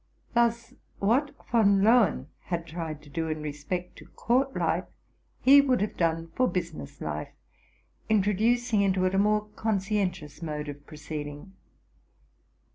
Thus, what Von Loen had tried to do in respect to court life, he would have done for business life ; introducing into it a more conscientious mode of proceeding.